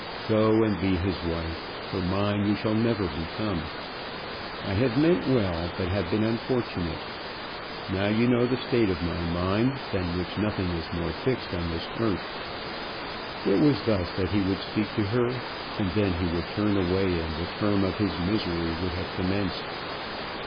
Go and be his wife, for mine you shall never become. I have meant well, but have been unfortunate. Now you know the state of my mind, than which nothing is more fixed on this earth." It was thus that he would speak to her, and then he would turn away; and the term of his misery would have commenced.